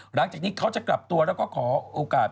หลังจากนี้เขาจะกลับตัวแล้วก็ขอโอกาส